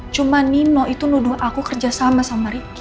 cuma nino itu nuduh aku kerja sama sama ricky